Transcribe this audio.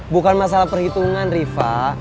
bukan masalah perhitungan riva